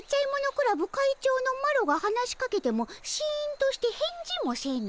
クラブ会長のマロが話しかけてもシンとして返事もせぬ。